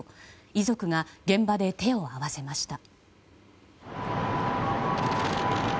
遺族が現場で手を合わせました。